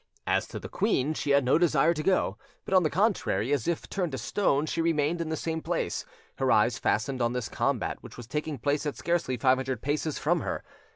As to the queen, she had no desire to go; but, on the contrary, as if turned to stone, she remained in the same place, her eyes fastened on this combat which was taking place at scarcely five hundred paces from her.